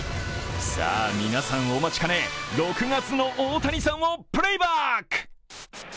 さあ、皆さんお待ちかね、６月の大谷さんをプレーバック。